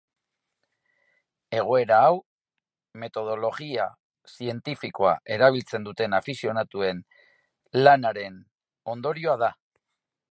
Egoera hau metodologia zientifikoa erabiltzen duten afizionatuen lanaren ondorioa da.